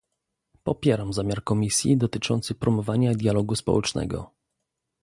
Popieram zamiar Komisji dotyczący promowania dialogu społecznego